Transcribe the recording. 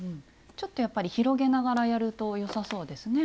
ちょっとやっぱり広げながらやるとよさそうですね。